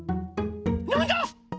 なんだ